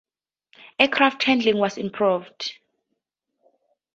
Aircraft handling was improved.